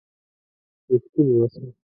رښتيني وسه.